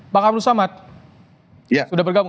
pak amru samad sudah bergabung